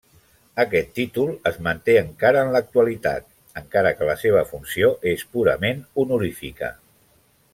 Aquest títol es manté encara en l'actualitat, encara que la seva funció és purament honorífica.